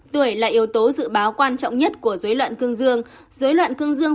tuổi là yếu tố dự báo quan trọng nhất của dối loạn cương dương